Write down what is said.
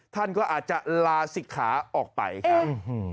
ท่านก็อาจจะลาศิกขาออกไปครับ